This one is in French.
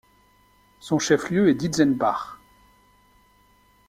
Son chef-lieu est Dietzenbach.